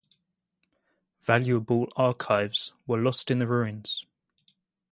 Valuable archives were lost in the ruins.